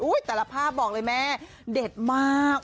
แต่ละภาพบอกเลยแม่เด็ดมาก